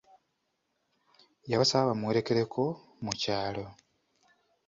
Yabasaba bamuwerekeleko mu kyalo!